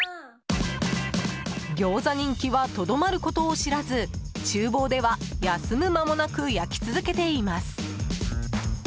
ギョーザ人気はとどまることを知らず厨房では休む間もなく焼き続けています。